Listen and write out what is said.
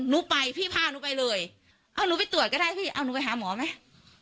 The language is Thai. หนูไปพี่พาหนูไปเลยเอาหนูไปตรวจก็ได้พี่เอาหนูไปหาหมอไหม